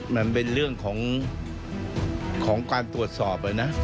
มันเป็นเรื่องของการตรวจสอบนะ